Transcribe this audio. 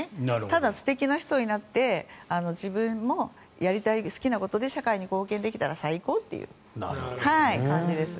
ただ素敵な人になって自分もやりたい好きなことで社会に貢献できたら最高っていう感じです。